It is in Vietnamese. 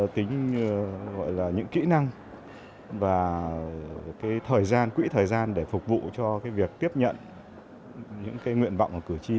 tính những kỹ năng và quỹ thời gian để phục vụ cho việc tiếp nhận những nguyện vọng của cử tri